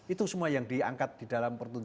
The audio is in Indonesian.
itu semua yang diangkat di dalam pertunjukan